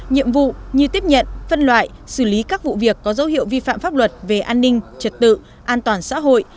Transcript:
nhiệm vụ như tiếp nhận phân loại xử lý các vụ việc có dấu hiệu vi phạm pháp luật về an ninh trật tự an toàn xã hội